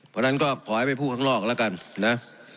เพราะฉะนั้นก็ขอให้ไปพูดข้างนอกแล้วกันนะ